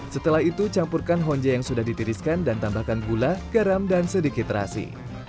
setelah itu campurkan honje yang sudah ditiriskan dan tambahkan gula garam dan sedikit terasi